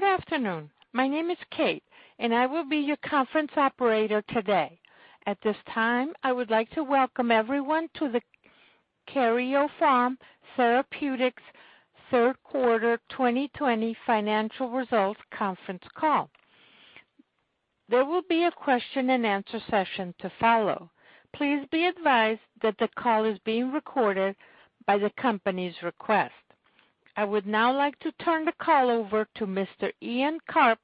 Good afternoon. My name is Kate, and I will be your conference operator today. At this time, I would like to welcome everyone to the Karyopharm Therapeutics third quarter 2020 financial results conference call. There will be a question and answer session to follow. Please be advised that the call is being recorded by the company's request. I would now like to turn the call over to Mr. Ian Karp,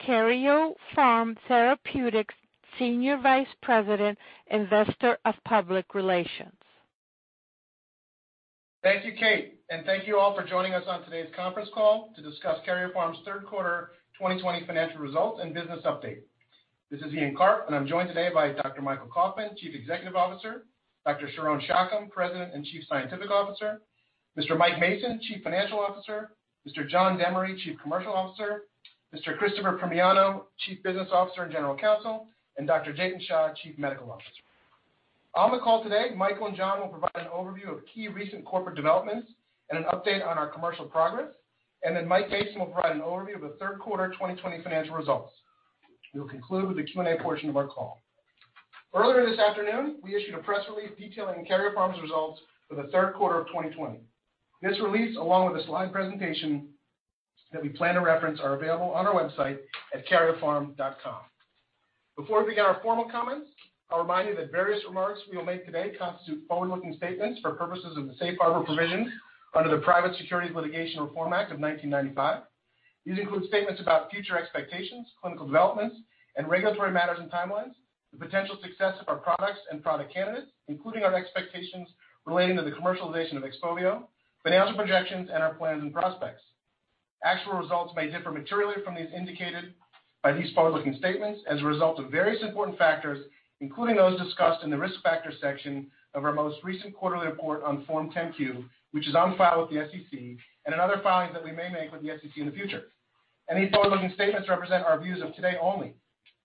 Karyopharm Therapeutics' Senior Vice President, Investor and Public Relations. Thank you, Kate, thank you all for joining us on today's conference call to discuss Karyopharm's third quarter 2020 financial results and business update. This is Ian Karp, and I'm joined today by Dr. Michael Kauffman, Chief Executive Officer, Dr. Sharon Shacham, President and Chief Scientific Officer, Mr. Mike Mason, Chief Financial Officer, Mr. John Demaree, Chief Commercial Officer, Mr. Christopher Primiano, Chief Business Officer and General Counsel, and Dr. Jatin Shah, Chief Medical Officer. On the call today, Michael and John will provide an overview of key recent corporate developments and an update on our commercial progress, and then Michael Mason will provide an overview of the third quarter 2020 financial results, which we'll conclude with the Q&A portion of our call. Earlier this afternoon, we issued a press release detailing Karyopharm's results for the third quarter of 2020. This release, along with the slide presentation that we plan to reference, are available on our website at karyopharm.com. Before we begin our formal comments, I'll remind you that various remarks we will make today constitute forward-looking statements for purposes of the safe harbor provisions under the Private Securities Litigation Reform Act of 1995. These include statements about future expectations, clinical developments, and regulatory matters and timelines, the potential success of our products and product candidates, including our expectations relating to the commercialization of XPOVIO, financial projections, and our plans and prospects. Actual results may differ materially from these indicated by these forward-looking statements as a result of various important factors, including those discussed in the Risk Factors section of our most recent quarterly report on Form 10-Q, which is on file with the SEC, and in other filings that we may make with the SEC in the future. Any forward-looking statements represent our views of today only.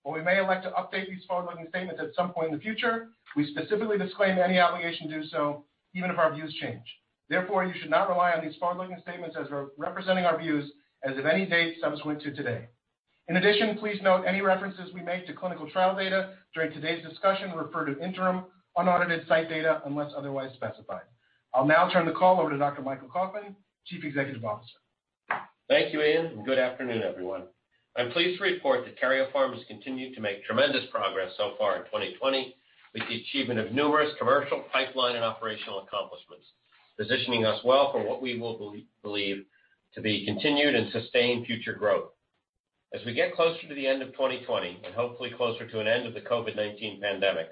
While we may elect to update these forward-looking statements at some point in the future, we specifically disclaim any obligation to do so, even if our views change. Therefore, you should not rely on these forward-looking statements as representing our views as of any date subsequent to today. In addition, please note any references we make to clinical trial data during today's discussion refer to interim, unaudited site data unless otherwise specified. I'll now turn the call over to Dr. Michael Kauffman, Chief Executive Officer. Thank you, Ian. Good afternoon, everyone. I'm pleased to report that Karyopharm has continued to make tremendous progress so far in 2020 with the achievement of numerous commercial pipeline and operational accomplishments, positioning us well for what we believe to be continued and sustained future growth. As we get closer to the end of 2020, and hopefully closer to an end of the COVID-19 pandemic,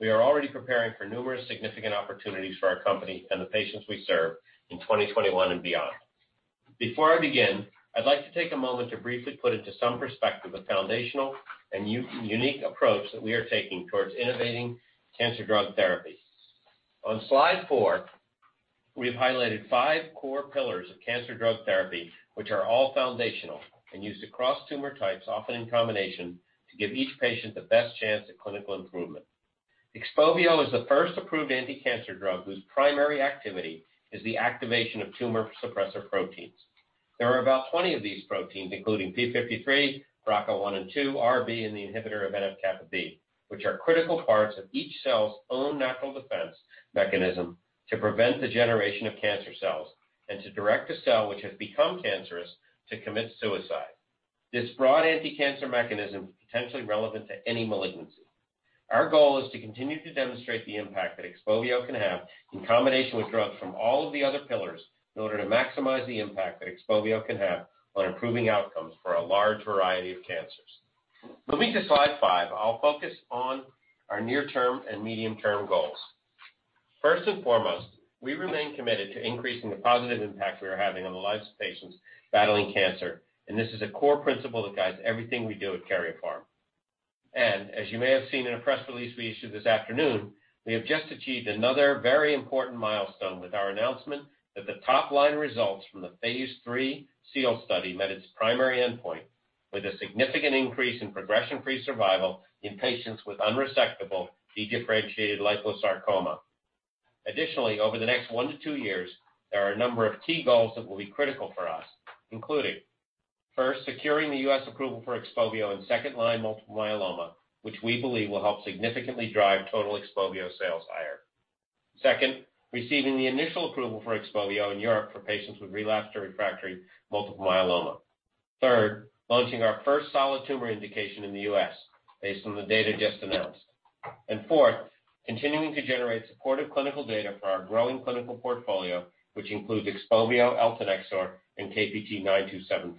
we are already preparing for numerous significant opportunities for our company and the patients we serve in 2021 and beyond. Before I begin, I'd like to take a moment to briefly put into some perspective the foundational and unique approach that we are taking towards innovating cancer drug therapy. On slide four, we've highlighted five core pillars of cancer drug therapy, which are all foundational and used across tumor types, often in combination, to give each patient the best chance at clinical improvement. XPOVIO is the first approved anti-cancer drug whose primary activity is the activation of tumor suppressor proteins. There are about 20 of these proteins, including p53, BRCA1 and BRCA2, RB, and the inhibitor of NF-κB, which are critical parts of each cell's own natural defense mechanism to prevent the generation of cancer cells and to direct a cell which has become cancerous to commit suicide. This broad anti-cancer mechanism is potentially relevant to any malignancy. Our goal is to continue to demonstrate the impact that XPOVIO can have in combination with drugs from all of the other pillars in order to maximize the impact that XPOVIO can have on improving outcomes for a large variety of cancers. Moving to slide five, I'll focus on our near-term and medium-term goals. First and foremost, we remain committed to increasing the positive impact we are having on the lives of patients battling cancer. This is a core principle that guides everything we do at Karyopharm. As you may have seen in a press release we issued this afternoon, we have just achieved another very important milestone with our announcement that the top-line results from the phase III SEAL study met its primary endpoint with a significant increase in progression-free survival in patients with unresectable de-differentiated liposarcoma. Additionally, over the next one to two years, there are a number of key goals that will be critical for us, including, first, securing the U.S. approval for XPOVIO in second-line multiple myeloma, which we believe will help significantly drive total XPOVIO sales higher. Second, receiving the initial approval for XPOVIO in Europe for patients with relapsed or refractory multiple myeloma. Third, launching our first solid tumor indication in the U.S. based on the data just announced. Fourth, continuing to generate supportive clinical data for our growing clinical portfolio, which includes XPOVIO, eltanexor, and KPT-9274.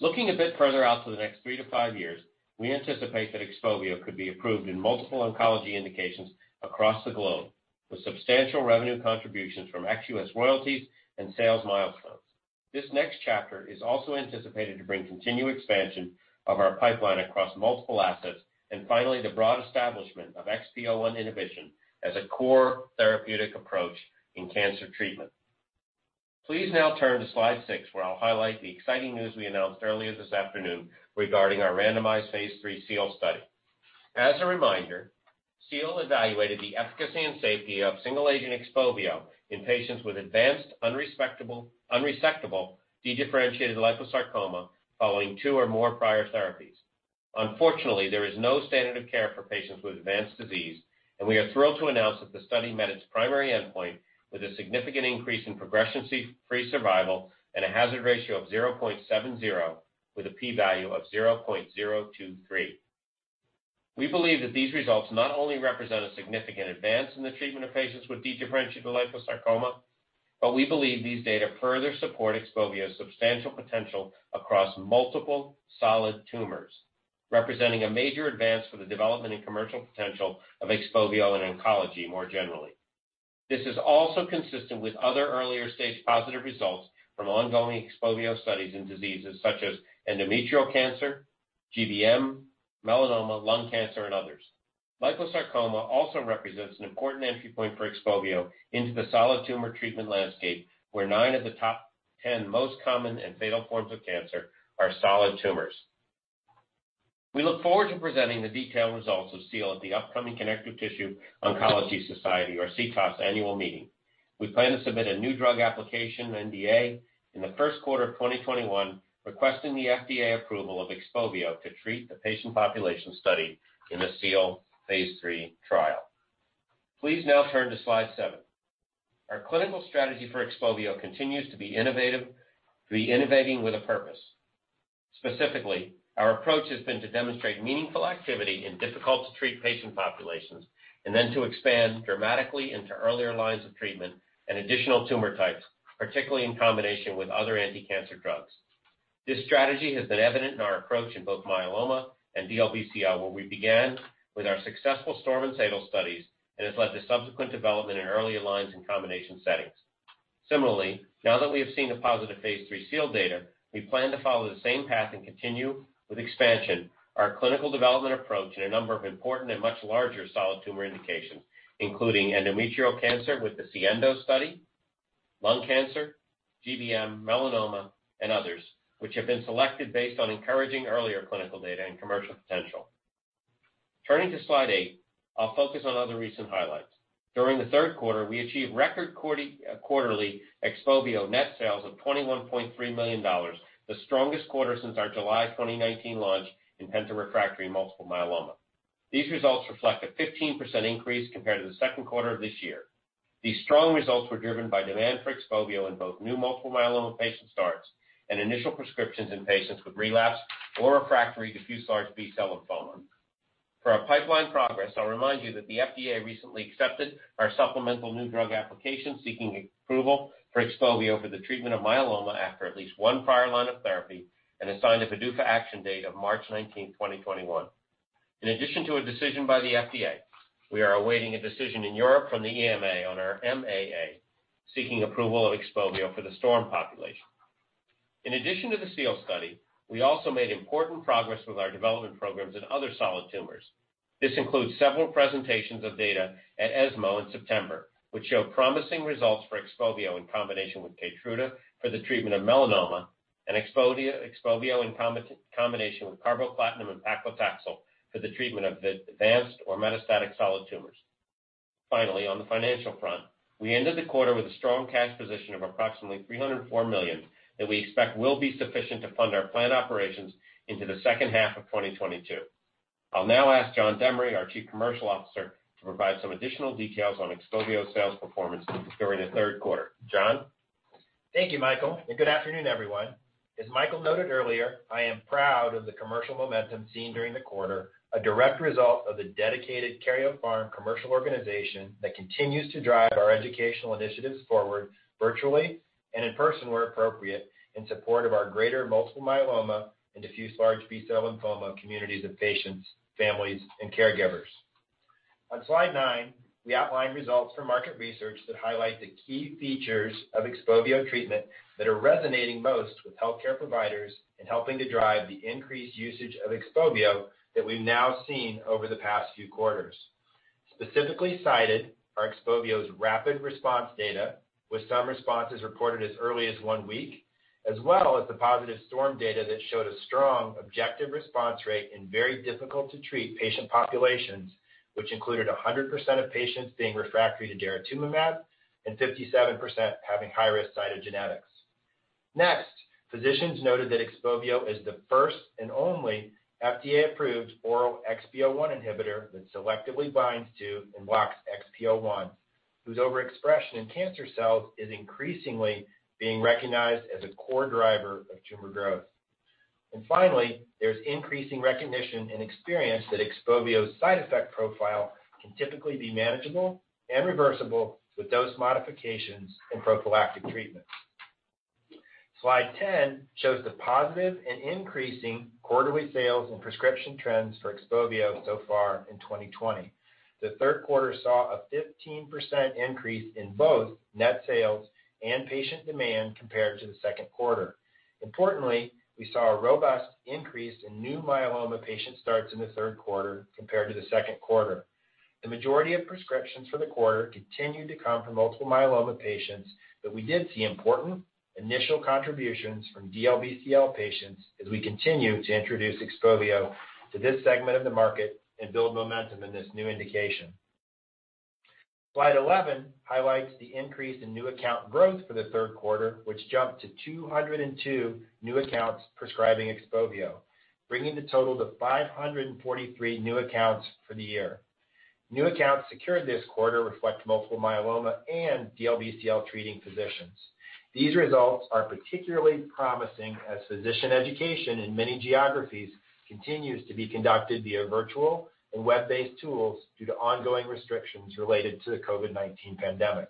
Looking a bit further out to the next three to five years, we anticipate that XPOVIO could be approved in multiple oncology indications across the globe, with substantial revenue contributions from ex-U.S. royalties and sales milestones. This next chapter is also anticipated to bring continued expansion of our pipeline across multiple assets, and finally, the broad establishment of XPO1 inhibition as a core therapeutic approach in cancer treatment. Please now turn to slide six, where I'll highlight the exciting news we announced earlier this afternoon regarding our randomized phase III SEAL study. As a reminder, SEAL evaluated the efficacy and safety of single agent XPOVIO in patients with advanced unresectable dedifferentiated liposarcoma following two or more prior therapies. Unfortunately, there is no standard of care for patients with advanced disease. We are thrilled to announce that the study met its primary endpoint with a significant increase in progression-free survival and a hazard ratio of 0.70 with a P value of 0.023. We believe that these results not only represent a significant advance in the treatment of patients with dedifferentiated liposarcoma, but we believe these data further support XPOVIO's substantial potential across multiple solid tumors, representing a major advance for the development and commercial potential of XPOVIO in oncology more generally. This is also consistent with other earlier-stage positive results from ongoing XPOVIO studies in diseases such as endometrial cancer, GBM, melanoma, lung cancer, and others. Liposarcoma also represents an important entry point for XPOVIO into the solid tumor treatment landscape, where nine of the top 10 most common and fatal forms of cancer are solid tumors. We look forward to presenting the detailed results of SEAL at the upcoming Connective Tissue Oncology Society, or CTOS, annual meeting. We plan to submit a new drug application, NDA, in the first quarter of 2021, requesting the FDA approval of XPOVIO to treat the patient population studied in the SEAL phase III trial. Please now turn to slide seven. Our clinical strategy for XPOVIO continues to be innovating with a purpose. Specifically, our approach has been to demonstrate meaningful activity in difficult-to-treat patient populations, then to expand dramatically into earlier lines of treatment and additional tumor types, particularly in combination with other anti-cancer drugs. This strategy has been evident in our approach in both myeloma and DLBCL, where we began with our successful STORM and SADAL studies and has led to subsequent development in earlier lines in combination settings. Similarly, now that we have seen the positive phase III SEAL data, we plan to follow the same path and continue with expansion our clinical development approach in a number of important and much larger solid tumor indications, including endometrial cancer with the SIENDO study, lung cancer, GBM, melanoma, and others, which have been selected based on encouraging earlier clinical data and commercial potential. Turning to slide eight, I'll focus on other recent highlights. During the third quarter, we achieved record quarterly XPOVIO net sales of $21.3 million, the strongest quarter since our July 2019 launch in penta-refractory multiple myeloma. These results reflect a 15% increase compared to the second quarter of this year. These strong results were driven by demand for XPOVIO in both new multiple myeloma patient starts and initial prescriptions in patients with relapse or refractory diffuse large B-cell lymphoma. For our pipeline progress, I'll remind you that the FDA recently accepted our supplemental new drug application seeking approval for XPOVIO for the treatment of myeloma after at least one prior line of therapy and assigned a PDUFA action date of March 19th, 2021. In addition to a decision by the FDA, we are awaiting a decision in Europe from the EMA on our MAA seeking approval of XPOVIO for the STORM population. In addition to the SEAL study, we also made important progress with our development programs in other solid tumors. This includes several presentations of data at ESMO in September, which show promising results for XPOVIO in combination with KEYTRUDA for the treatment of melanoma and XPOVIO in combination with carboplatin and paclitaxel for the treatment of advanced or metastatic solid tumors. On the financial front, we ended the quarter with a strong cash position of approximately $304 million that we expect will be sufficient to fund our planned operations into the second half of 2022. I'll now ask John Demaree, our Chief Commercial Officer, to provide some additional details on XPOVIO sales performance during the third quarter. John? Thank you, Michael, and good afternoon, everyone. As Michael noted earlier, I am proud of the commercial momentum seen during the quarter, a direct result of the dedicated Karyopharm commercial organization that continues to drive our educational initiatives forward virtually and in person where appropriate, in support of our greater multiple myeloma and diffuse large B-cell lymphoma communities of patients, families, and caregivers. On slide nine, we outline results from market research that highlight the key features of XPOVIO treatment that are resonating most with healthcare providers and helping to drive the increased usage of XPOVIO that we've now seen over the past few quarters. Specifically cited are XPOVIO's rapid response data, with some responses reported as early as one week, as well as the positive STORM data that showed a strong objective response rate in very difficult-to-treat patient populations, which included 100% of patients being refractory to daratumumab and 57% having high-risk cytogenetics. Next, physicians noted that XPOVIO is the first and only FDA-approved oral XPO1 inhibitor that selectively binds to and blocks XPO1, whose overexpression in cancer cells is increasingly being recognized as a core driver of tumor growth. Finally, there's increasing recognition and experience that XPOVIO's side effect profile can typically be manageable and reversible with dose modifications and prophylactic treatments. Slide 10 shows the positive and increasing quarterly sales and prescription trends for XPOVIO so far in 2020. The third quarter saw a 15% increase in both net sales and patient demand compared to the second quarter. Importantly, we saw a robust increase in new myeloma patient starts in the third quarter compared to the second quarter. The majority of prescriptions for the quarter continued to come from multiple myeloma patients, but we did see important initial contributions from DLBCL patients as we continue to introduce XPOVIO to this segment of the market and build momentum in this new indication. Slide 11 highlights the increase in new account growth for the third quarter, which jumped to 202 new accounts prescribing XPOVIO, bringing the total to 543 new accounts for the year. New accounts secured this quarter reflect multiple myeloma and DLBCL treating physicians. These results are particularly promising as physician education in many geographies continues to be conducted via virtual and web-based tools due to ongoing restrictions related to the COVID-19 pandemic.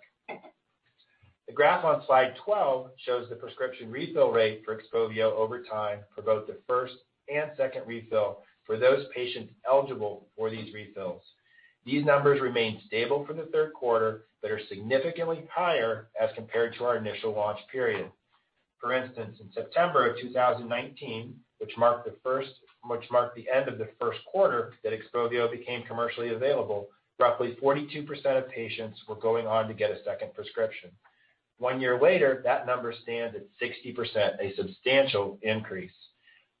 The graph on slide 12 shows the prescription refill rate for XPOVIO over time for both the first and second refill for those patients eligible for these refills. These numbers remain stable for the third quarter but are significantly higher as compared to our initial launch period. For instance, in September of 2019, which marked the end of the first quarter that XPOVIO became commercially available, roughly 42% of patients were going on to get a second prescription. One year later, that number stands at 60%, a substantial increase.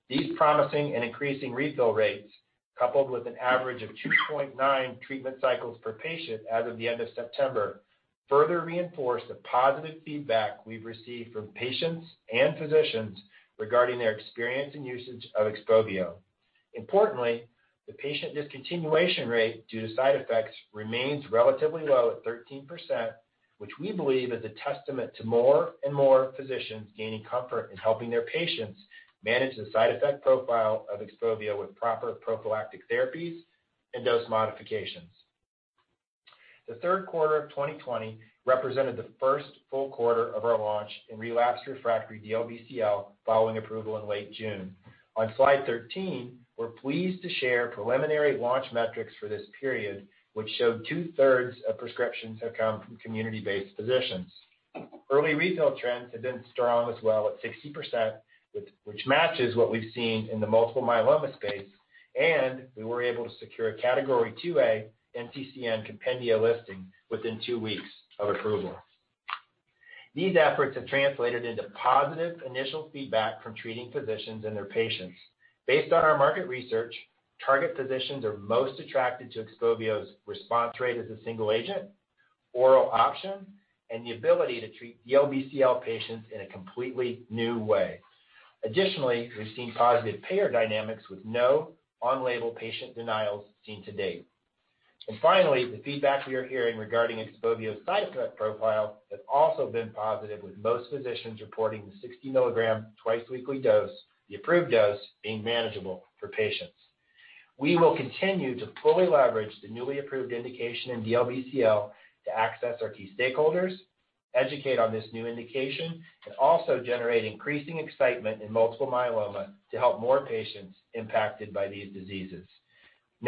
These promising and increasing refill rates, coupled with an average of 2.9 treatment cycles per patient as of the end of September, further reinforce the positive feedback we've received from patients and physicians regarding their experience and usage of XPOVIO. The patient discontinuation rate due to side effects remains relatively low at 13%, which we believe is a testament to more and more physicians gaining comfort in helping their patients manage the side effect profile of XPOVIO with proper prophylactic therapies and dose modifications. The third quarter of 2020 represented the first full quarter of our launch in relapsed refractory DLBCL following approval in late June. On slide 13, we're pleased to share preliminary launch metrics for this period, which show two-thirds of prescriptions have come from community-based physicians. Early refill trends have been strong as well at 60%, which matches what we've seen in the multiple myeloma space, and we were able to secure a category 2A NCCN compendia listing within two weeks of approval. These efforts have translated into positive initial feedback from treating physicians and their patients. Based on our market research, target physicians are most attracted to XPOVIO's response rate as a single agent, oral option, and the ability to treat DLBCL patients in a completely new way. We've seen positive payer dynamics with no on-label patient denials seen to date. Finally, the feedback we are hearing regarding XPOVIO's side effect profile has also been positive, with most physicians reporting the 60 mg twice-weekly dose, the approved dose, being manageable for patients. We will continue to fully leverage the newly approved indication in DLBCL to access our key stakeholders, educate on this new indication, and also generate increasing excitement in multiple myeloma to help more patients impacted by these diseases.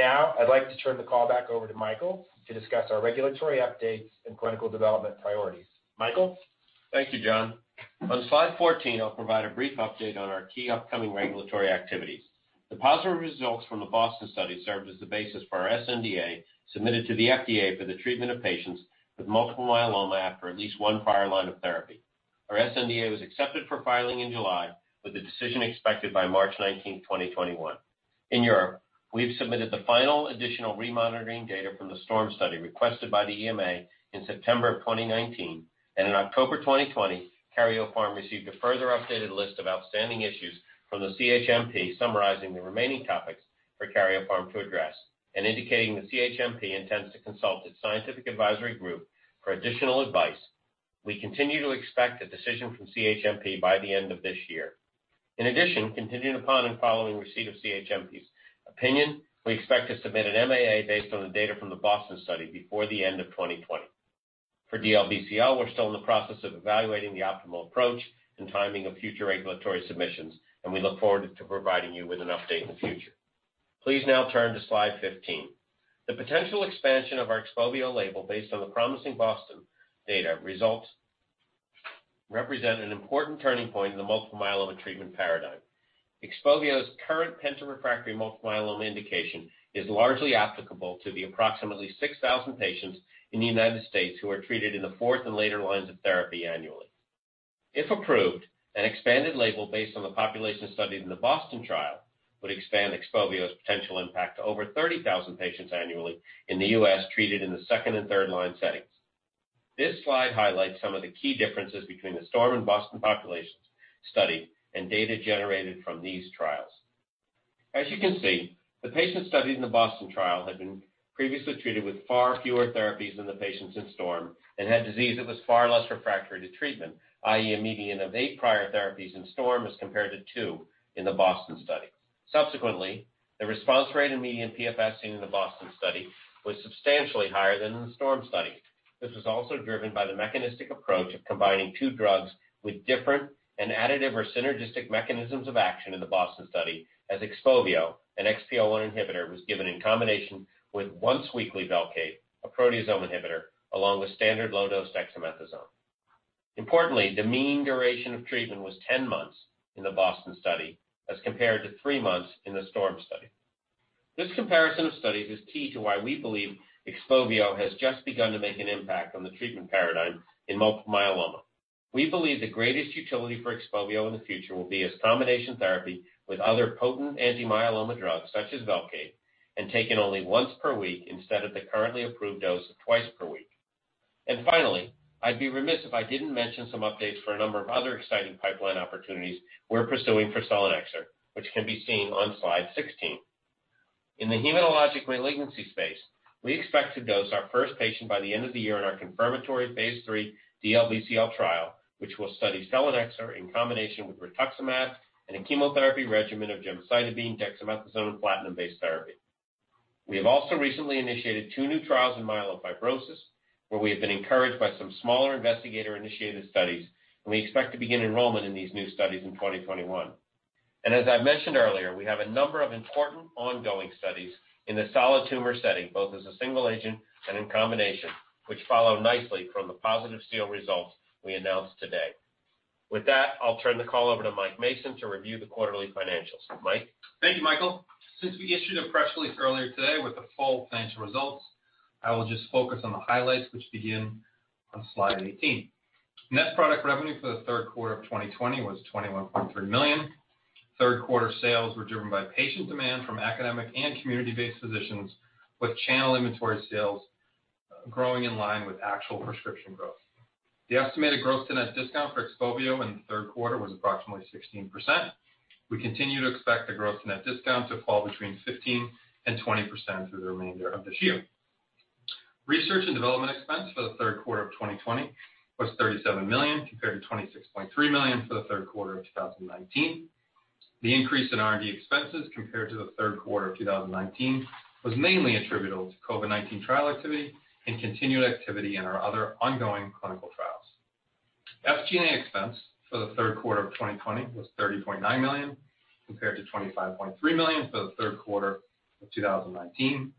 I'd like to turn the call back over to Michael to discuss our regulatory updates and clinical development priorities. Michael? Thank you, John. On slide 14, I'll provide a brief update on our key upcoming regulatory activities. The positive results from the BOSTON study served as the basis for our sNDA, submitted to the FDA for the treatment of patients with multiple myeloma after at least one prior line of therapy. Our sNDA was accepted for filing in July, with a decision expected by March 19th, 2021. In Europe, we've submitted the final additional remonitoring data from the STORM study requested by the EMA in September of 2019. In October 2020, Karyopharm received a further updated list of outstanding issues from the CHMP summarizing the remaining topics for Karyopharm to address and indicating the CHMP intends to consult its scientific advisory group for additional advice. We continue to expect a decision from CHMP by the end of this year. In addition, continuing upon and following receipt of CHMP's opinion, we expect to submit an MAA based on the data from the BOSTON study before the end of 2020. For DLBCL, we're still in the process of evaluating the optimal approach and timing of future regulatory submissions, we look forward to providing you with an update in the future. Please now turn to slide 15. The potential expansion of our XPOVIO label based on the promising BOSTON data results represent an important turning point in the multiple myeloma treatment paradigm. XPOVIO's current penta-refractory multiple myeloma indication is largely applicable to the approximately 6,000 patients in the U.S. who are treated in the fourth and later lines of therapy annually. If approved, an expanded label based on the population studied in the BOSTON trial would expand XPOVIO's potential impact to over 30,000 patients annually in the U.S. treated in the second and third line settings. This slide highlights some of the key differences between the STORM and BOSTON populations study and data generated from these trials. As you can see, the patients studied in the BOSTON trial had been previously treated with far fewer therapies than the patients in STORM and had disease that was far less refractory to treatment, i.e., a median of eight prior therapies in STORM as compared to two in the BOSTON study. Subsequently, the response rate and median PFS seen in the BOSTON study was substantially higher than in the STORM study. This was also driven by the mechanistic approach of combining two drugs with different and additive or synergistic mechanisms of action in the BOSTON study as XPOVIO, an XPO1 inhibitor, was given in combination with once-weekly VELCADE, a proteasome inhibitor, along with standard low-dose dexamethasone. Importantly, the mean duration of treatment was 10 months in the BOSTON study as compared to three months in the STORM study. This comparison of studies is key to why we believe XPOVIO has just begun to make an impact on the treatment paradigm in multiple myeloma. We believe the greatest utility for XPOVIO in the future will be as combination therapy with other potent anti-myeloma drugs such as VELCADE, and taken only once per week instead of the currently approved dose of twice per week. Finally, I'd be remiss if I didn't mention some updates for a number of other exciting pipeline opportunities we're pursuing for selinexor, which can be seen on slide 16. In the hematologic malignancy space, we expect to dose our first patient by the end of the year in our confirmatory phase III DLBCL trial, which will study selinexor in combination with rituximab and a chemotherapy regimen of gemcitabine, dexamethasone, platinum-based therapy. We have also recently initiated two new trials in myelofibrosis, where we have been encouraged by some smaller investigator-initiated studies, and we expect to begin enrollment in these new studies in 2021. As I mentioned earlier, we have a number of important ongoing studies in the solid tumor setting, both as a single agent and in combination, which follow nicely from the positive SEAL results we announced today. With that, I'll turn the call over to Mike Mason to review the quarterly financials. Mike? Thank you, Michael. Since we issued a press release earlier today with the full financial results, I will just focus on the highlights, which begin on slide 18. Net product revenue for the third quarter of 2020 was $21.3 million. Third-quarter sales were driven by patient demand from academic and community-based physicians, with channel inventory sales growing in line with actual prescription growth. The estimated gross-to-net discount for XPOVIO in the third quarter was approximately 16%. We continue to expect the gross-to-net discount to fall between 15% and 20% through the remainder of this year. Research and development expense for the third quarter of 2020 was $37 million, compared to $26.3 million for the third quarter of 2019. The increase in R&D expenses compared to the third quarter of 2019 was mainly attributable to COVID-19 trial activity and continued activity in our other ongoing clinical trials. SG&A expense for the third quarter of 2020 was $30.9 million, compared to $25.3 million for the third quarter of 2019.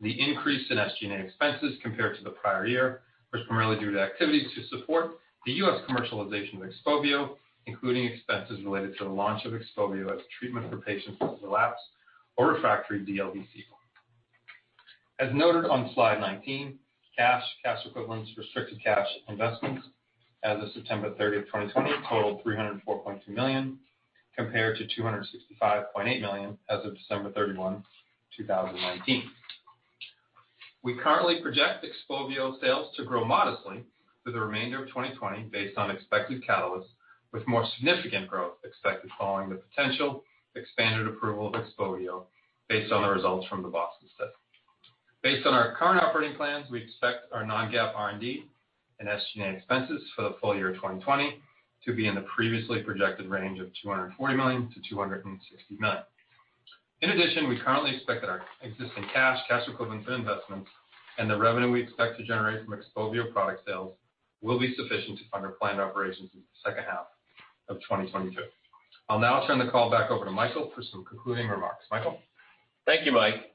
The increase in SG&A expenses compared to the prior year was primarily due to activities to support the U.S. commercialization of XPOVIO, including expenses related to the launch of XPOVIO as a treatment for patients with relapsed or refractory DLBCL. As noted on slide 19, cash equivalents, restricted cash and investments as of September 30th, 2020 totaled $304.2 million, compared to $265.8 million as of December 31, 2019. We currently project XPOVIO sales to grow modestly for the remainder of 2020 based on expected catalysts, with more significant growth expected following the potential expanded approval of XPOVIO based on the results from the BOSTON study. Based on our current operating plans, we expect our non-GAAP R&D and SG&A expenses for the full year of 2020 to be in the previously projected range of $240 million-$260 million. We currently expect that our existing cash equivalents, and investments and the revenue we expect to generate from XPOVIO product sales will be sufficient to fund our planned operations in the second half of 2022. I'll now turn the call back over to Michael for some concluding remarks. Michael? Thank you, Mike.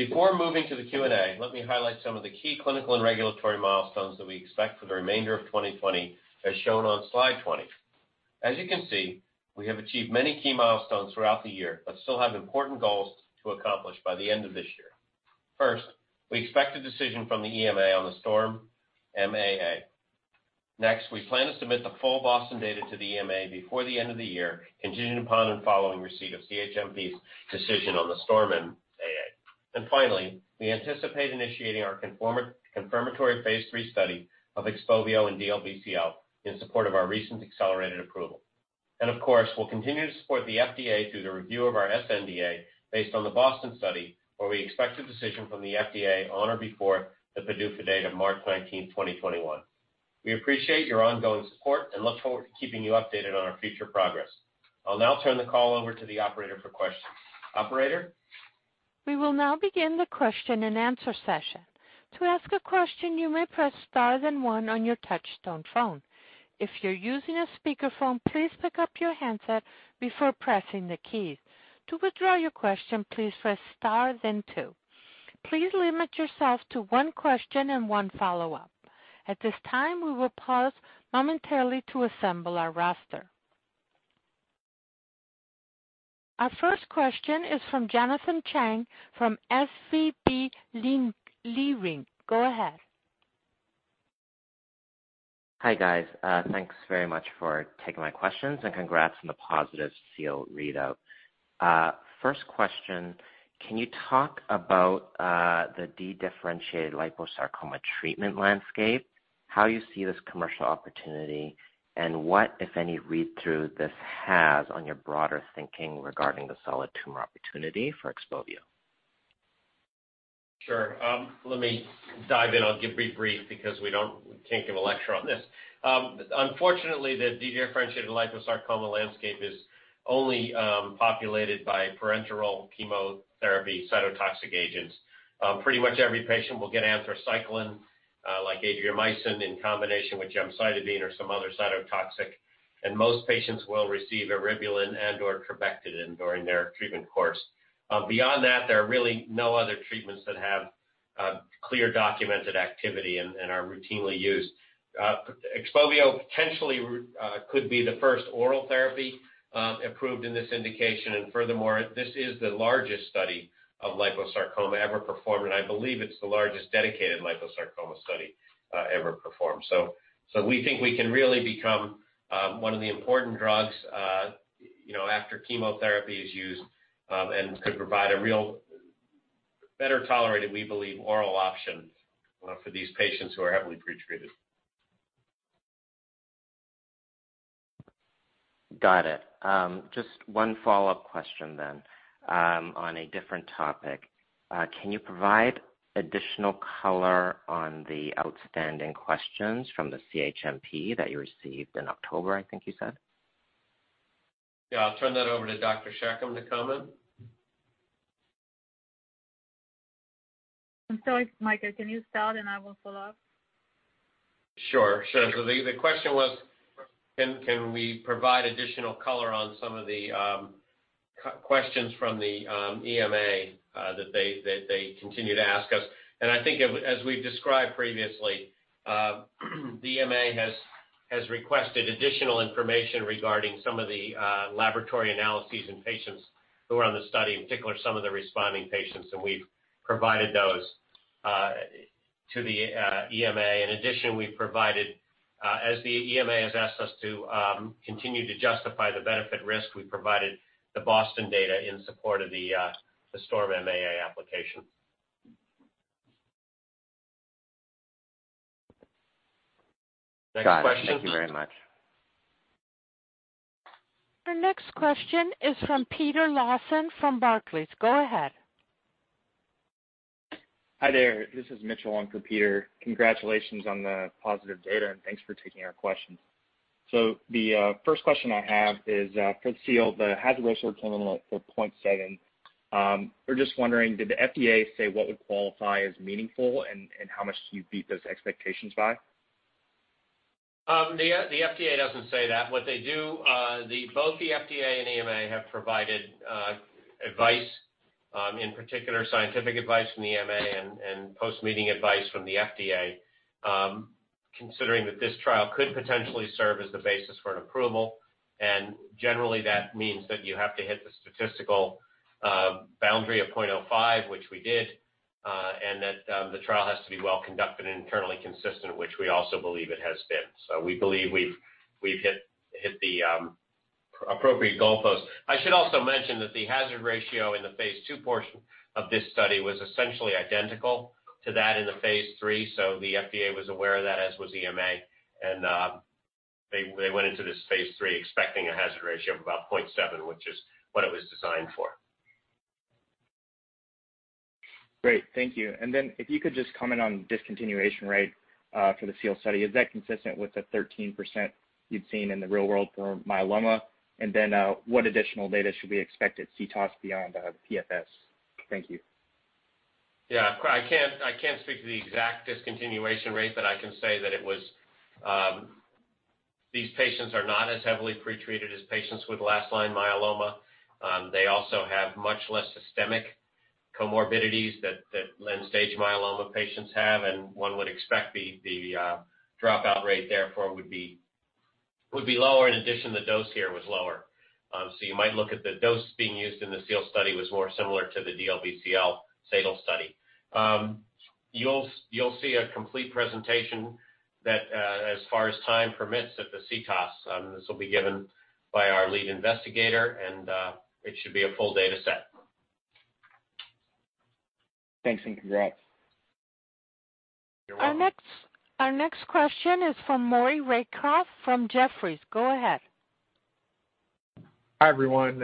Before moving to the Q&A, let me highlight some of the key clinical and regulatory milestones that we expect for the remainder of 2020, as shown on slide 20. As you can see, we have achieved many key milestones throughout the year, but still have important goals to accomplish by the end of this year. First, we expect a decision from the EMA on the STORM MAA. Next, we plan to submit the full BOSTON data to the EMA before the end of the year, contingent upon and following receipt of CHMP's decision on the STORM MAA. Finally, we anticipate initiating our confirmatory phase III study of XPOVIO and DLBCL in support of our recent accelerated approval. Of course, we'll continue to support the FDA through the review of our sNDA, based on the BOSTON study, where we expect a decision from the FDA on or before the PDUFA date of March 19, 2021. We appreciate your ongoing support and look forward to keeping you updated on our future progress. I'll now turn the call over to the operator for questions. Operator? We will now begin the question and answer session. To ask a question, you may press star then one on your touchtone phone. If you're using a speakerphone, please pick up your handset before pressing the keys. To withdraw your question, please press star then two. Please limit yourself to one question and one follow-up. At this time, we will pause momentarily to assemble our roster. Our first question is from Jonathan Chang from SVB Leerink. Go ahead. Hi, guys. Thanks very much for taking my questions, and congrats on the positive SEAL readout. First question, can you talk about the dedifferentiated liposarcoma treatment landscape, how you see this commercial opportunity, and what, if any, read-through this has on your broader thinking regarding the solid tumor opportunity for XPOVIO? Sure. Let me dive in. I'll give a brief because we can't give a lecture on this. Unfortunately, the dedifferentiated liposarcoma landscape is only populated by parenteral chemotherapy cytotoxic agents. Pretty much every patient will get anthracycline, like Adriamycin, in combination with gemcitabine or some other cytotoxic, and most patients will receive eribulin and/or capecitabine during their treatment course. Beyond that, there are really no other treatments that have clear documented activity and are routinely used. XPOVIO potentially could be the first oral therapy approved in this indication, and furthermore, this is the largest study of liposarcoma ever performed, and I believe it's the largest dedicated liposarcoma study ever performed. We think we can really become one of the important drugs after chemotherapy is used, and could provide a real better tolerated, we believe, oral option for these patients who are heavily pre-treated. Got it. Just one follow-up question on a different topic. Can you provide additional color on the outstanding questions from the CHMP that you received in October, I think you said? Yeah, I'll turn that over to Dr. Shacham to comment. I'm sorry, Michael, can you start and I will follow up? Sure. The question was can we provide additional color on some of the questions from the EMA that they continue to ask us. I think as we've described previously, the EMA has requested additional information regarding some of the laboratory analyses in patients who are on the study, in particular, some of the responding patients. We've provided those to the EMA. In addition, we've provided, as the EMA has asked us to continue to justify the benefit risk, we provided the BOSTON data in support of the STORM MAA application. Next question. Got it. Thank you very much. Our next question is from Peter Lawson from Barclays. Go ahead. Hi there. This is Mitchell in for Peter. Congratulations on the positive data, and thanks for taking our questions. The first question I have is for SEAL, the hazard ratio came in at 0.7. We're just wondering, did the FDA say what would qualify as meaningful, and how much do you beat those expectations by? The FDA doesn't say that. What they do, both the FDA and EMA have provided advice, in particular, scientific advice from the EMA and post-meeting advice from the FDA, considering that this trial could potentially serve as the basis for an approval. Generally, that means that you have to hit the statistical boundary of .05, which we did, and that the trial has to be well conducted and internally consistent, which we also believe it has been. We believe we've hit the appropriate goalpost. I should also mention that the hazard ratio in the phase II portion of this study was essentially identical to that in the phase III, so the FDA was aware of that, as was EMA. They went into this phase III expecting a hazard ratio of about 0.7, which is what it was designed for. Great. Thank you. If you could just comment on discontinuation rate for the SEAL study. Is that consistent with the 13% you've seen in the real world for myeloma? What additional data should we expect at CTOS beyond the PFS? Thank you. Yeah, I can't speak to the exact discontinuation rate, but I can say that these patients are not as heavily pre-treated as patients with last line myeloma. They also have much less systemic comorbidities that late-stage myeloma patients have, and one would expect the dropout rate therefore would be lower. In addition, the dose here was lower. You might look at the dose being used in the SEAL study was more similar to the DLBCL SADAL study. You'll see a complete presentation that as far as time permits at the CTOS, this will be given by our lead investigator, and it should be a full data set. Thanks, and congrats. You're welcome. Our next question is from Maury Raycroft from Jefferies. Go ahead. Hi, everyone.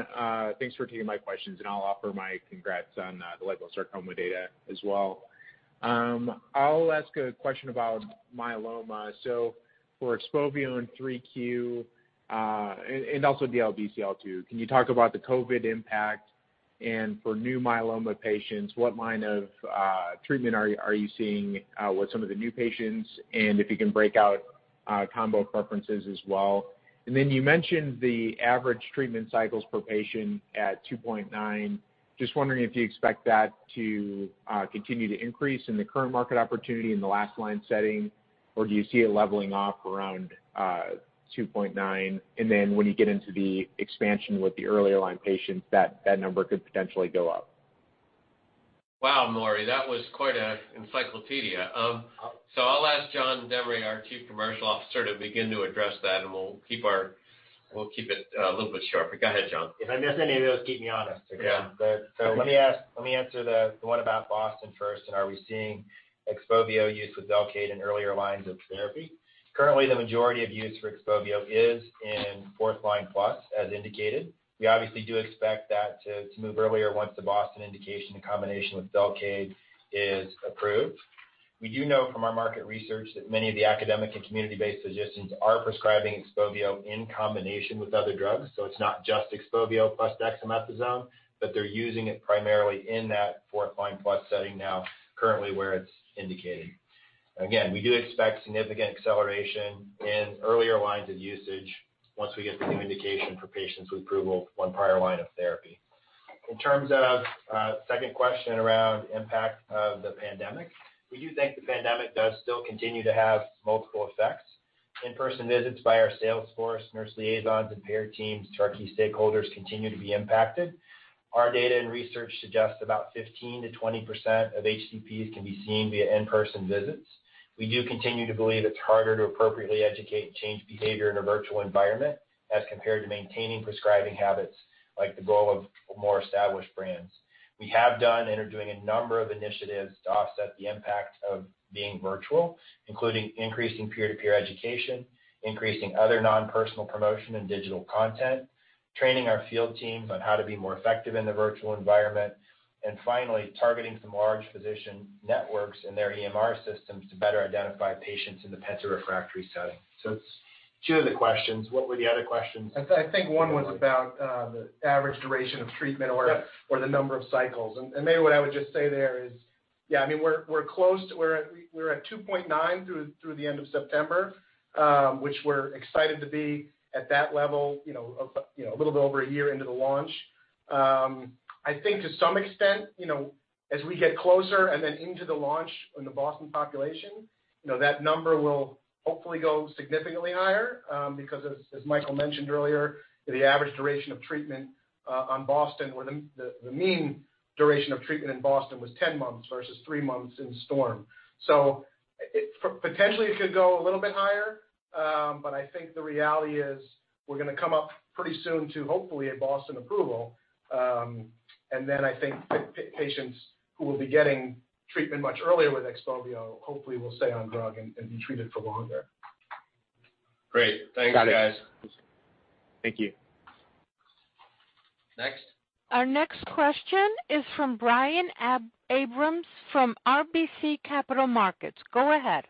Thanks for taking my questions. I'll offer my congrats on the liposarcoma data as well. I'll ask a question about myeloma. For XPOVIO in 3Q, and also DLBCL too, can you talk about the COVID impact? For new myeloma patients, what line of treatment are you seeing with some of the new patients, and if you can break out combo preferences as well. You mentioned the average treatment cycles per patient at 2.9. Just wondering if you expect that to continue to increase in the current market opportunity in the last line setting, or do you see it leveling off around 2.9, and then when you get into the expansion with the earlier line patients, that number could potentially go up? Wow, Maury, that was quite an encyclopedia. I'll ask John Demaree, our Chief Commercial Officer, to begin to address that, and we'll keep it a little bit shorter. Go ahead, John. If I miss any of those, keep me honest, okay? Yeah. Let me answer the one about BOSTON first, and are we seeing XPOVIO used with VELCADE in earlier lines of therapy. Currently, the majority of use for XPOVIO is in fourth line plus, as indicated. We obviously do expect that to move earlier once the BOSTON indication in combination with VELCADE is approved. We do know from our market research that many of the academic and community-based physicians are prescribing XPOVIO in combination with other drugs, so it's not just XPOVIO plus dexamethasone, but they're using it primarily in that fourth line plus setting now currently where it's indicated. Again, we do expect significant acceleration in earlier lines of usage once we get some indication for patients with approval of one prior line of therapy. In terms of second question around impact of the pandemic, we do think the pandemic does still continue to have multiple effects. In-person visits by our sales force, nurse liaisons, and payer teams to our key stakeholders continue to be impacted. Our data and research suggests about 15%-20% of HCPs can be seen via in-person visits. We do continue to believe it's harder to appropriately educate and change behavior in a virtual environment as compared to maintaining prescribing habits like the goal of more established brands. We have done and are doing a number of initiatives to offset the impact of being virtual, including increasing peer-to-peer education, increasing other non-personal promotion and digital content, training our field teams on how to be more effective in the virtual environment, and finally, targeting some large physician networks and their EMR systems to better identify patients in the penta-refractory setting. It's two of the questions. What were the other questions? I think one was about the average duration of treatment. Yes or the number of cycles. Maybe what I would just say there is, yeah, we're at 2.9 through the end of September, which we're excited to be at that level a little bit over a year into the launch. I think to some extent, as we get closer and then into the launch in the BOSTON population, that number will hopefully go significantly higher, because as Michael mentioned earlier, the average duration of treatment on BOSTON, or the mean duration of treatment in BOSTON was 10 months versus three months in STORM. Potentially it could go a little bit higher. I think the reality is we're going to come up pretty soon to hopefully a BOSTON approval. Then I think patients who will be getting treatment much earlier with XPOVIO hopefully will stay on drug and be treated for longer. Great. Thanks, guys. Got it. Thank you. Next. Our next question is from Brian Abrahams from RBC Capital Markets. Go ahead.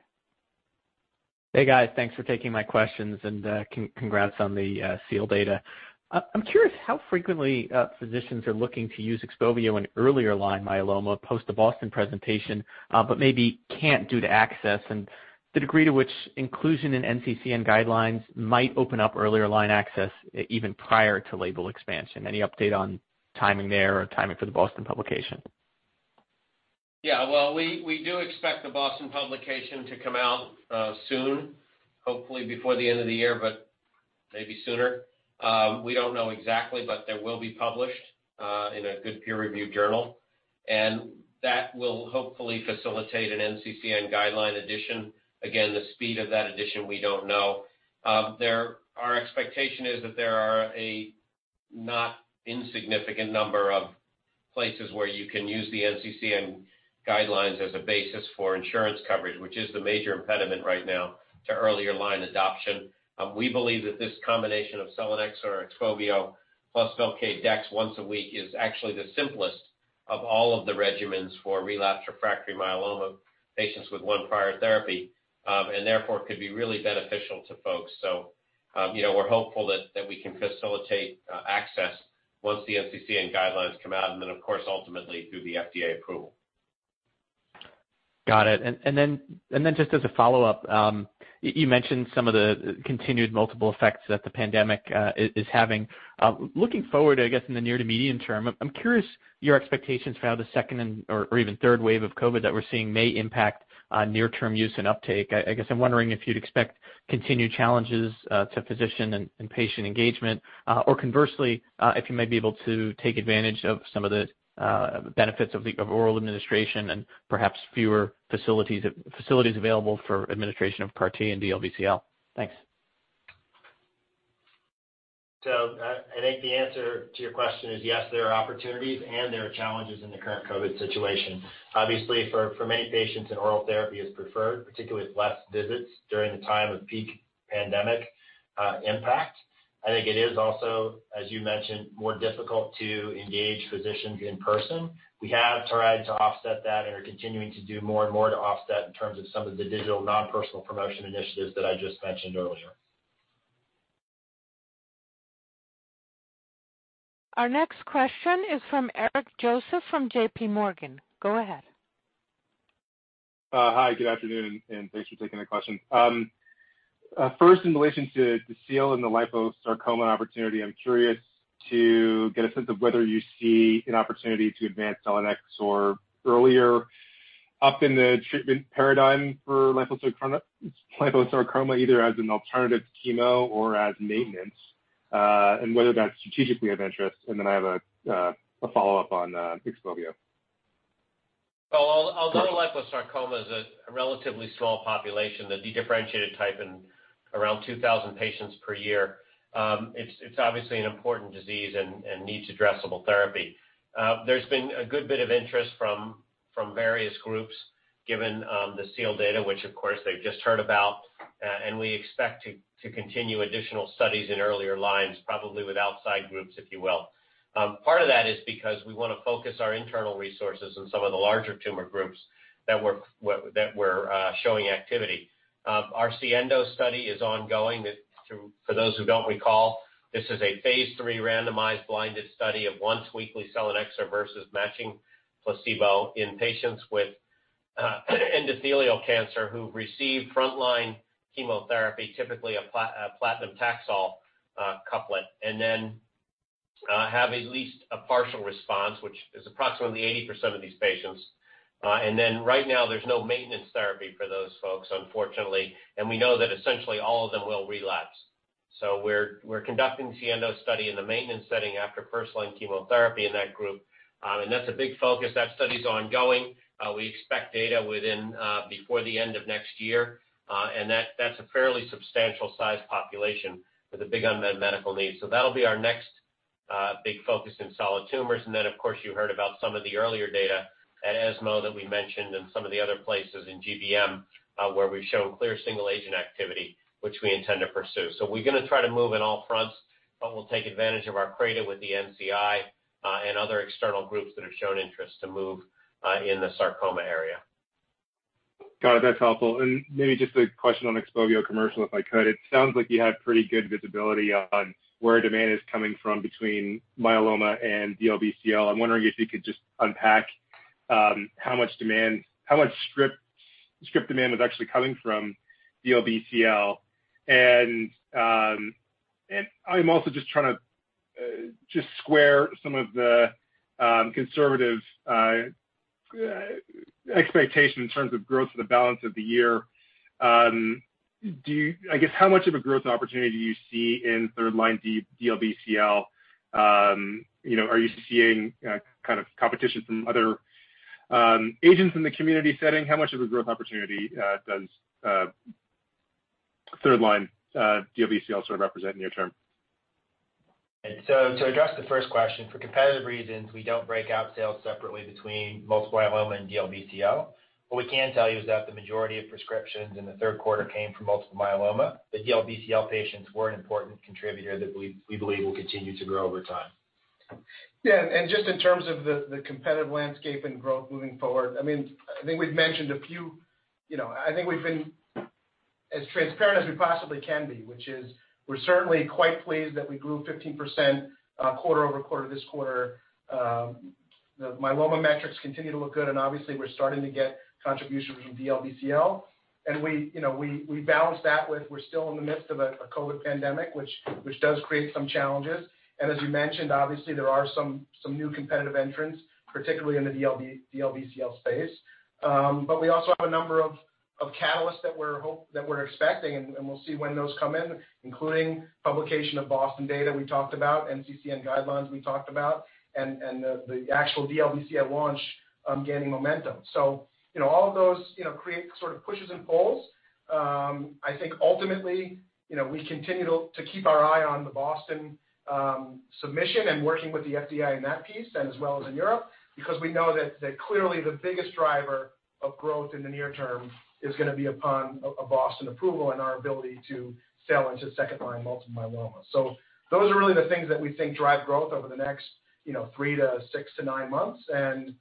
Hey, guys. Thanks for taking my questions, and congrats on the SEAL data. I'm curious how frequently physicians are looking to use XPOVIO in earlier-line myeloma post the BOSTON presentation, but maybe can't due to access, and the degree to which inclusion in NCCN guidelines might open up earlier line access even prior to label expansion. Any update on timing there or timing for the BOSTON publication? Well, we do expect the BOSTON publication to come out soon, hopefully before the end of the year, but maybe sooner. We don't know exactly, that will be published in a good peer-reviewed journal, and that will hopefully facilitate an NCCN guideline addition. Again, the speed of that addition, we don't know. Our expectation is that there are a not insignificant number of places where you can use the NCCN guidelines as a basis for insurance coverage, which is the major impediment right now to earlier line adoption. We believe that this combination of selinexor or XPOVIO plus VELCADE dex once a week is actually the simplest of all of the regimens for relapse refractory myeloma patients with one prior therapy. Therefore, could be really beneficial to folks. We're hopeful that we can facilitate access once the NCCN guidelines come out and then, of course, ultimately through the FDA approval. Got it. Just as a follow-up, you mentioned some of the continued multiple effects that the pandemic is having. Looking forward, I guess, in the near to medium term, I'm curious your expectations for how the second or even third wave of COVID that we're seeing may impact near-term use and uptake. I'm wondering if you'd expect continued challenges to physician and patient engagement, or conversely, if you may be able to take advantage of some of the benefits of oral administration and perhaps fewer facilities available for administration of CAR T and DLBCL. Thanks. I think the answer to your question is, yes, there are opportunities and there are challenges in the current COVID-19 situation. Obviously, for many patients, an oral therapy is preferred, particularly with less visits during the time of peak pandemic impact. I think it is also, as you mentioned, more difficult to engage physicians in person. We have tried to offset that and are continuing to do more and more to offset in terms of some of the digital non-personal promotion initiatives that I just mentioned earlier. Our next question is from Eric Joseph from JPMorgan. Go ahead. Hi, good afternoon, and thanks for taking the question. First, in relation to the SEAL and the liposarcoma opportunity, I'm curious to get a sense of whether you see an opportunity to advance selinexor earlier up in the treatment paradigm for liposarcoma, either as an alternative to chemo or as maintenance, and whether that's strategically of interest. Then I have a follow-up on XPOVIO. Well, although liposarcoma is a relatively small population, the de-differentiated type in around 2,000 patients per year, it's obviously an important disease and needs addressable therapy. There's been a good bit of interest from various groups given the SEAL data, which of course they've just heard about. We expect to continue additional studies in earlier lines, probably with outside groups, if you will. Part of that is because we want to focus our internal resources on some of the larger tumor groups that were showing activity. Our SIENDO study is ongoing. For those who don't, this is a phase III randomized blinded study of once-weekly Selinexor versus matching placebo in patients with endometrial cancer who received frontline chemotherapy, typically a platinum Taxol doublet then have at least a partial response, which is approximately 80% of these patients. Right now, there's no maintenance therapy for those folks, unfortunately, and we know that essentially all of them will relapse. We're conducting the SIENDO study in the maintenance setting after first-line chemotherapy in that group. That's a big focus. That study's ongoing. We expect data before the end of next year. That's a fairly substantial size population with a big unmet medical need. That'll be our next big focus in solid tumors. Of course, you heard about some of the earlier data at ESMO that we mentioned and some of the other places in GBM where we've shown clear single-agent activity, which we intend to pursue. We're going to try to move on all fronts, but we'll take advantage of our CRADA with the NCI, and other external groups that have shown interest to move in the sarcoma area. Got it. That's helpful. Maybe just a question on XPOVIO commercial, if I could. It sounds like you had pretty good visibility on where demand is coming from between myeloma and DLBCL. I'm wondering if you could just unpack how much script demand is actually coming from DLBCL. I'm also just trying to just square some of the conservative expectation in terms of growth for the balance of the year. I guess, how much of a growth opportunity do you see in third line DLBCL? Are you seeing kind of competition from other agents in the community setting? How much of a growth opportunity does third line DLBCL sort of represent near term? To address the first question, for competitive reasons, we don't break out sales separately between multiple myeloma and DLBCL. What we can tell you is that the majority of prescriptions in the third quarter came from multiple myeloma, but DLBCL patients were an important contributor that we believe will continue to grow over time. Just in terms of the competitive landscape and growth moving forward, I think we've been as transparent as we possibly can be, which is we're certainly quite pleased that we grew 15% quarter-over-quarter this quarter. The myeloma metrics continue to look good, obviously, we're starting to get contributions from DLBCL, we balance that with we're still in the midst of a COVID pandemic, which does create some challenges. As you mentioned, obviously, there are some new competitive entrants, particularly in the DLBCL space. We also have a number of catalysts that we're expecting, we'll see when those come in, including publication of BOSTON data we talked about, NCCN guidelines we talked about, the actual DLBCL launch gaining momentum. All of those create sort of pushes and pulls. I think ultimately, we continue to keep our eye on the BOSTON submission and working with the FDA in that piece and as well as in Europe, because we know that clearly the biggest driver of growth in the near term is going to be upon a BOSTON approval and our ability to sell into second line multiple myeloma. Those are really the things that we think drive growth over the next three to six to nine months, and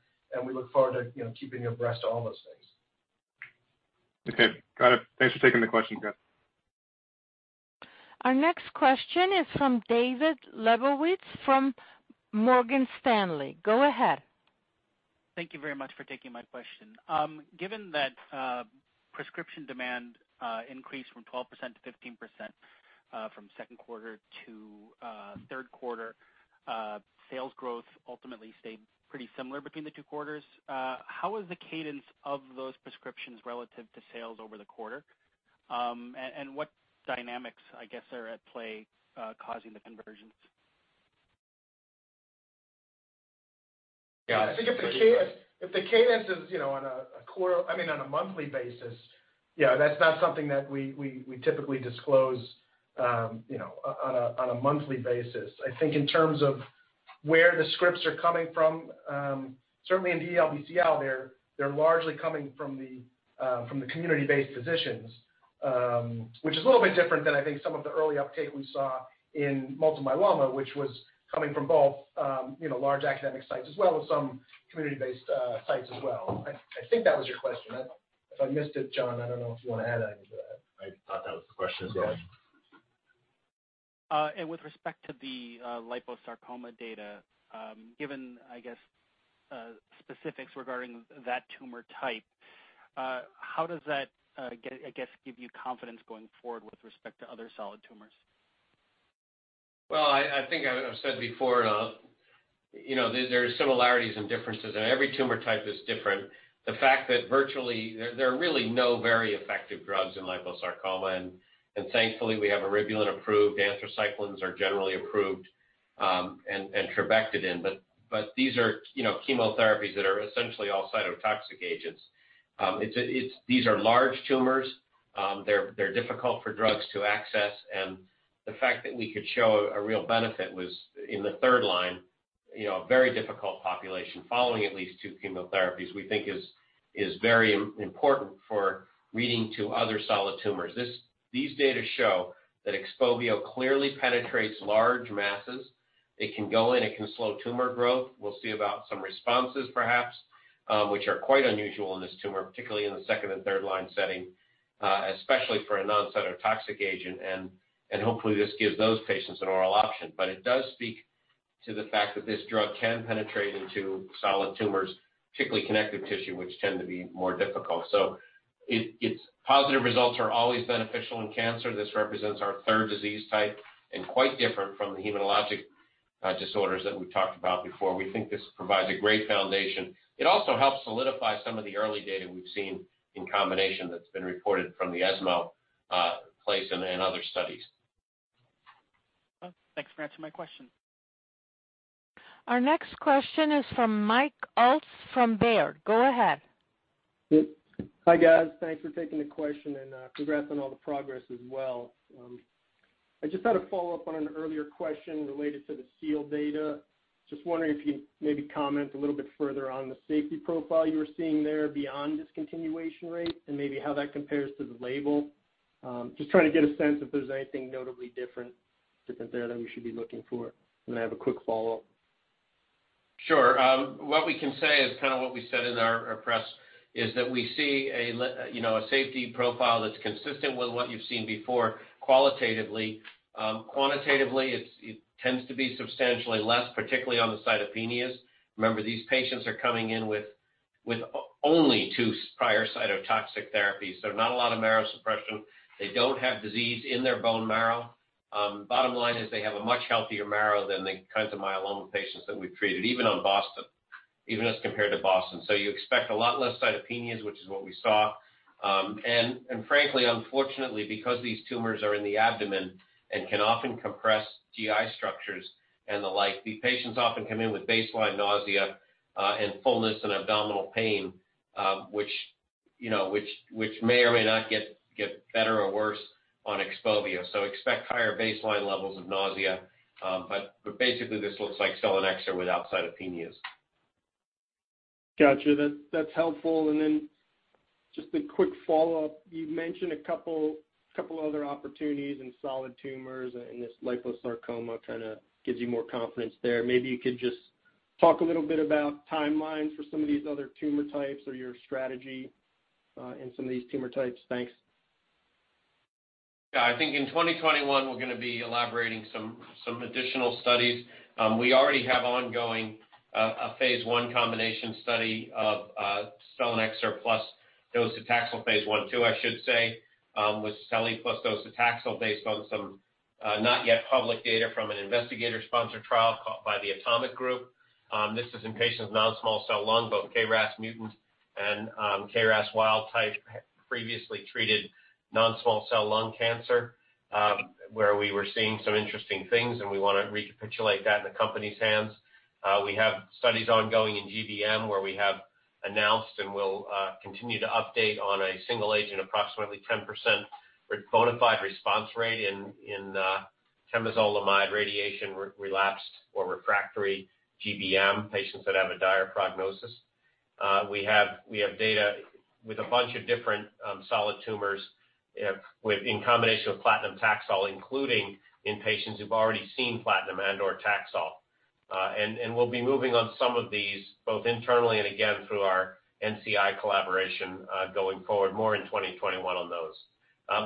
we look forward to keeping you abreast of all those things. Okay. Got it. Thanks for taking the question, guys. Our next question is from David Lebowitz from Morgan Stanley. Go ahead. Thank you very much for taking my question. Given that prescription demand increased from 12% to 15% from second quarter to third quarter, sales growth ultimately stayed pretty similar between the two quarters. How is the cadence of those prescriptions relative to sales over the quarter? What dynamics, I guess, are at play causing the conversions? I think if the cadence is on a monthly basis, yeah, that's not something that we typically disclose on a monthly basis. I think in terms of where the scripts are coming from, certainly in DLBCL, they're largely coming from the community-based physicians, which is a little bit different than I think some of the early uptake we saw in multiple myeloma, which was coming from both large academic sites as well as some community-based sites as well. I think that was your question. If I missed it, John, I don't know if you want to add anything to that. I thought that was the question as well. Okay. With respect to the liposarcoma data, given, I guess, specifics regarding that tumor type, how does that, I guess, give you confidence going forward with respect to other solid tumors? Well, I think I've said before there are similarities and differences, and every tumor type is different. The fact that virtually there are really no very effective drugs in liposarcoma, and thankfully, we have eribulin approved, anthracyclines are generally approved, and trabectedin, but these are chemotherapies that are essentially all cytotoxic agents. These are large tumors. They're difficult for drugs to access, and the fact that we could show a real benefit was in the third line, a very difficult population following at least two chemotherapies, we think is very important for reading to other solid tumors. These data show that XPOVIO clearly penetrates large masses It can go in, it can slow tumor growth. We'll see about some responses perhaps, which are quite unusual in this tumor, particularly in the second and third line setting, especially for a non-cytotoxic agent. Hopefully this gives those patients an oral option. It does speak to the fact that this drug can penetrate into solid tumors, particularly connective tissue, which tend to be more difficult. Positive results are always beneficial in cancer. This represents our third disease type, and quite different from the hematologic disorders that we've talked about before. We think this provides a great foundation. It also helps solidify some of the early data we've seen in combination that's been reported from the ESMO and in other studies. Well, thanks for answering my question. Our next question is from Mike Ulz from Baird. Go ahead. Hi, guys. Thanks for taking the question, and congrats on all the progress as well. I just had a follow-up on an earlier question related to the SEAL data. Just wondering if you could maybe comment a little bit further on the safety profile you were seeing there beyond discontinuation rate and maybe how that compares to the label. Just trying to get a sense if there's anything notably different there that we should be looking for. I have a quick follow-up. Sure. What we can say is what we said in our press, is that we see a safety profile that's consistent with what you've seen before qualitatively. Quantitatively, it tends to be substantially less, particularly on the cytopenias. Remember, these patients are coming in with only two prior cytotoxic therapies, so not a lot of marrow suppression. They don't have disease in their bone marrow. Bottom line is they have a much healthier marrow than the kinds of myeloma patients that we've treated, even as compared to BOSTON. You expect a lot less cytopenias, which is what we saw. Frankly, unfortunately, because these tumors are in the abdomen and can often compress GI structures and the like, these patients often come in with baseline nausea and fullness and abdominal pain, which may or may not get better or worse on XPOVIO. Expect higher baseline levels of nausea. Basically, this looks like selinexor without cytopenias. Got you. That's helpful. Just a quick follow-up. You've mentioned a couple other opportunities in solid tumors and this liposarcoma gives you more confidence there. Maybe you could just talk a little bit about timelines for some of these other tumor types or your strategy in some of these tumor types. Thanks. Yeah, I think in 2021, we're going to be elaborating some additional studies. We already have ongoing a phase I combination study of selinexor plus docetaxel phase I/II, I should say, with seli plus docetaxel based on some not yet public data from an investigator-sponsored trial by the ATOMIC Group. This is in patients with non-small cell lung, both KRAS mutant and KRAS wild type previously treated non-small cell lung cancer, where we were seeing some interesting things, and we want to recapitulate that in the company's hands. We have studies ongoing in GBM where we have announced and will continue to update on a single agent, approximately 10% bona fide response rate in temozolomide radiation relapsed or refractory GBM patients that have a dire prognosis. We have data with a bunch of different solid tumors in combination with platinum Taxol, including in patients who've already seen platinum and/or Taxol. We'll be moving on some of these both internally and again through our NCI collaboration going forward more in 2021 on those.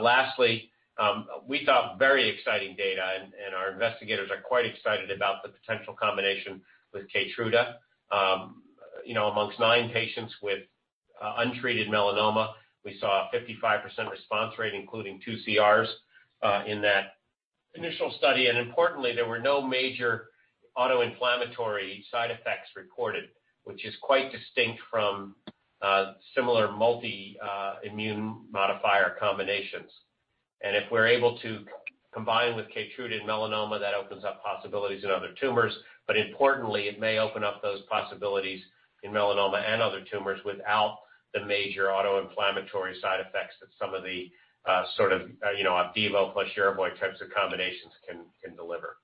Lastly, we saw very exciting data, and our investigators are quite excited about the potential combination with KEYTRUDA. Amongst nine patients with untreated melanoma, we saw a 55% response rate, including two CRs in that initial study. Importantly, there were no major autoinflammatory side effects recorded, which is quite distinct from similar multi-immune modifier combinations. If we're able to combine with KEYTRUDA in melanoma, that opens up possibilities in other tumors. Importantly, it may open up those possibilities in melanoma and other tumors without the major autoinflammatory side effects that some of the Opdivo plus Yervoy types of combinations can deliver.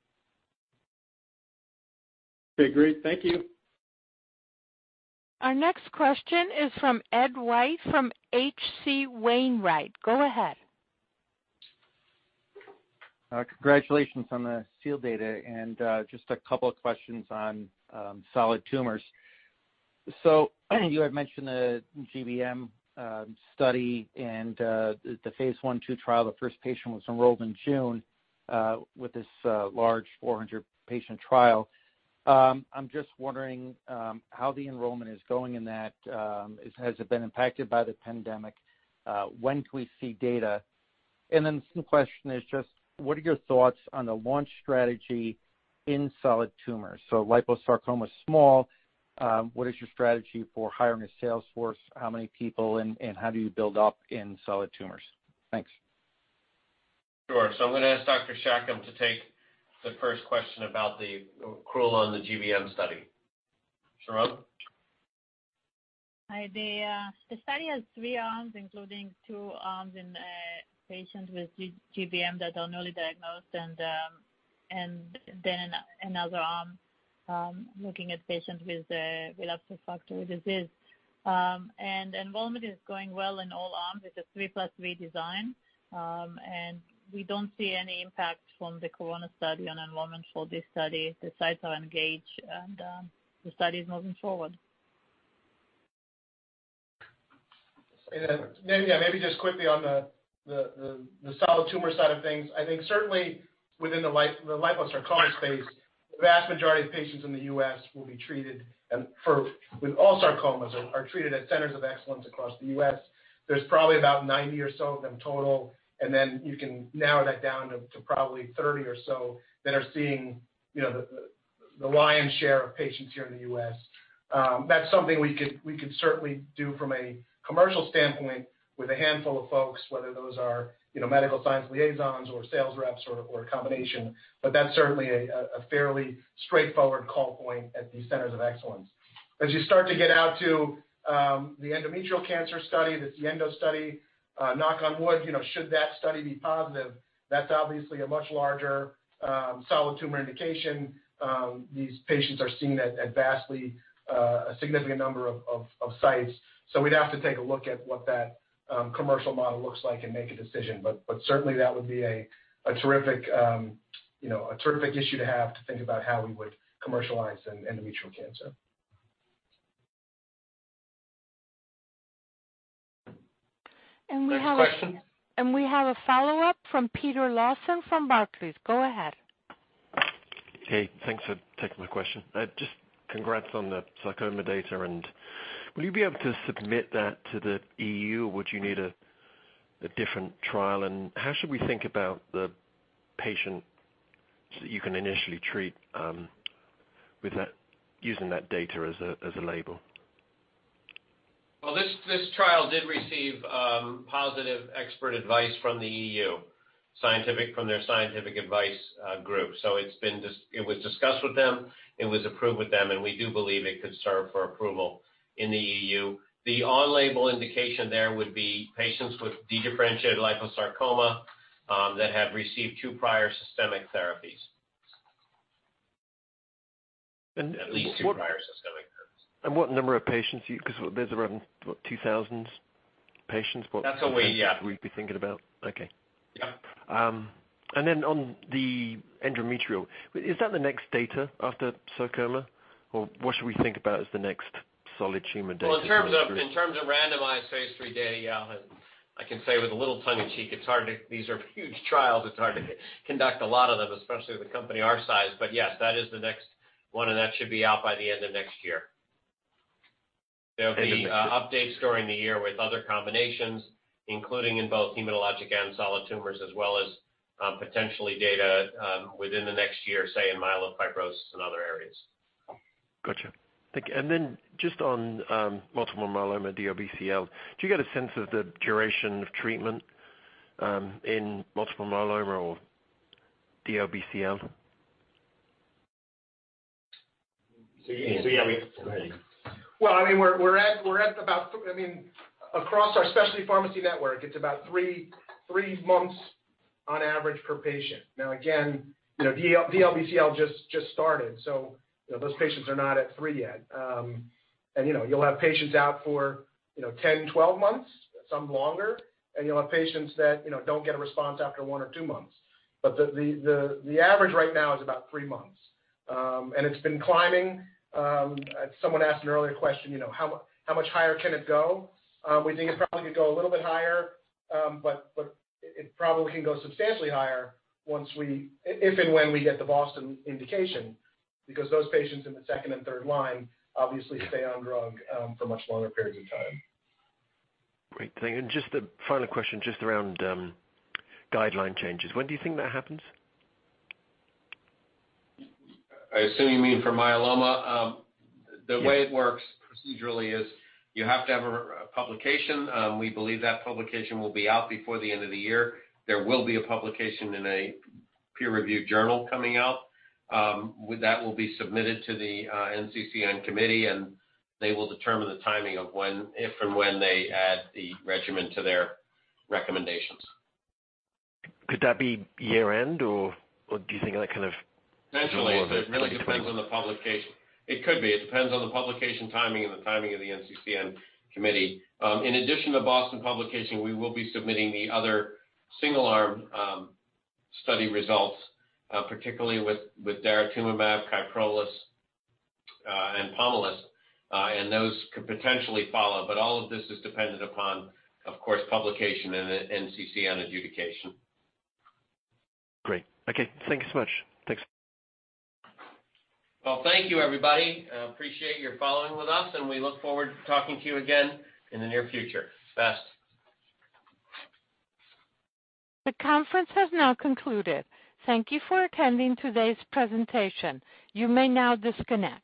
Okay, great. Thank you. Our next question is from Ed White from H.C. Wainwright. Go ahead. Congratulations on the SEAL data. Just a couple of questions on solid tumors. You had mentioned the GBM study and the phase I/II trial. The first patient was enrolled in June with this large 400-patient trial. I'm just wondering how the enrollment is going in that. Has it been impacted by the pandemic? When can we see data? Some question is just what are your thoughts on the launch strategy in solid tumors? Liposarcoma is small. What is your strategy for hiring a sales force? How many people and how do you build up in solid tumors? Thanks. Sure. I'm going to ask Dr. Shacham to take the first question about the accrual on the GBM study. Sharon? Hi. The study has three arms, including two arms in patients with GBM that are newly diagnosed and then another arm looking at patients with relapsed refractory disease. Enrollment is going well in all arms. It's a three plus three design. We don't see any impact from the corona situation on enrollment for this study. The sites are engaged, and the study is moving forward. Maybe just quickly on the solid tumor side of things, I think certainly within the liposarcoma space, the vast majority of patients in the U.S. with all sarcomas are treated at centers of excellence across the U.S. There's probably about 90 or so of them total, and then you can narrow that down to probably 30 or so that are seeing the lion's share of patients here in the U.S. That's something we could certainly do from a commercial standpoint with a handful of folks, whether those are medical science liaisons or sales reps or a combination. That's certainly a fairly straightforward call point at these centers of excellence. As you start to get out to the endometrial cancer study, that's the SIENDO study, knock on wood should that study be positive, that's obviously a much larger solid tumor indication. These patients are seen at vastly a significant number of sites. We'd have to take a look at what that commercial model looks like and make a decision. Certainly that would be a terrific issue to have to think about how we would commercialize endometrial cancer. We have a- Next question ...we have a follow-up from Peter Lawson from Barclays. Go ahead. Hey, thanks for taking my question. Just congrats on the sarcoma data and will you be able to submit that to the EU or would you need a different trial? How should we think about the patients that you can initially treat using that data as a label? Well, this trial did receive positive expert advice from the EU, from their scientific advice group. It was discussed with them, it was approved with them, and we do believe it could serve for approval in the EU. The on-label indication there would be patients with dedifferentiated liposarcoma that have received two prior systemic therapies. At least two prior systemic therapies. What number of patients, because there's around, what, 2,000 patients, what- That's what we, yeah ...we'd be thinking about? Okay. Yeah. On the endometrial, is that the next data after sarcoma, or what should we think about as the next solid tumor data? Well, in terms of randomized phase III data, yeah, I can say with a little tongue in cheek, these are huge trials, it's hard to conduct a lot of them, especially with a company our size. Yes, that is the next one, and that should be out by the end of next year. There'll be updates during the year with other combinations, including in both hematologic and solid tumors, as well as potentially data within the next year, say, in myelofibrosis and other areas. Got you. Thank you. Just on multiple myeloma, DLBCL, do you get a sense of the duration of treatment in multiple myeloma or DLBCL? yeah, we- Well, across our specialty pharmacy network, it's about three months on average per patient. Now, again, DLBCL just started, so those patients are not at three yet. You'll have patients out for 10, 12 months, some longer, and you'll have patients that don't get a response after one or two months. The average right now is about three months. It's been climbing. Someone asked an earlier question, how much higher can it go? We think it probably could go a little bit higher, but it probably can go substantially higher if and when we get the BOSTON indication, because those patients in the second and third line obviously stay on drug for much longer periods of time. Great, thank you. Just a final question just around guideline changes. When do you think that happens? I assume you mean for myeloma. Yes. The way it works procedurally is you have to have a publication. We believe that publication will be out before the end of the year. There will be a publication in a peer-reviewed journal coming out. That will be submitted to the NCCN committee, and they will determine the timing of if and when they add the regimen to their recommendations. Could that be year-end, or do you think that kind of- Potentially. It really depends on the publication. It could be. It depends on the publication timing and the timing of the NCCN committee. In addition to BOSTON publication, we will be submitting the other single-arm study results, particularly with daratumumab, Kyprolis, and POMALYST, and those could potentially follow. all of this is dependent upon, of course, publication and NCCN adjudication. Great. Okay. Thank you so much. Thanks. Well, thank you everybody. Appreciate your following with us, and we look forward to talking to you again in the near future. Best. The conference has now concluded. Thank you for attending today's presentation. You may now disconnect.